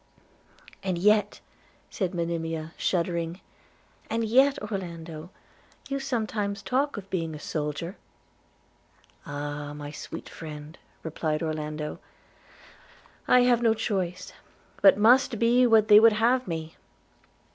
'And yet,' said Monimia shuddering, 'and yet, Orlando, you sometimes talk of being a soldier!' 'Ah! my sweet friend,' replied Orlando, 'I have no choice, but must be what they would have me.